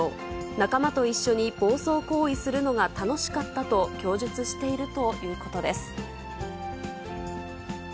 仲間と一緒に暴走行為するのが楽しかったと供述しているということです。